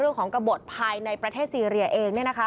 เรื่องของกระบวนภายในประเทศซีเรียเอง